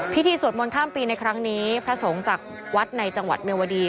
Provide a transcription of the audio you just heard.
สวดมนต์ข้ามปีในครั้งนี้พระสงฆ์จากวัดในจังหวัดเมียวดี